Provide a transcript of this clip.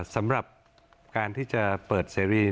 สำหรับการที่จะเปิดเสรี